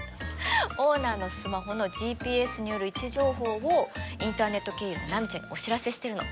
オーナーのスマホのＧＰＳによる位置情報をインターネット経由で波ちゃんにお知らせしてるの。